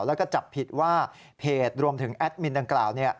แล้วก็จับผิดว่าเพจรวมถึงแอดมินดังกล่าว